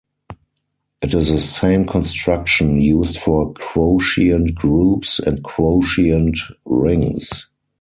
It is the same construction used for quotient groups and quotient rings.